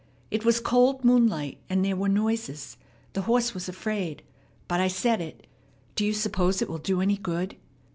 It was cold moonlight, and there were noises. The horse was afraid. But I said it. Do you suppose it will do any good?"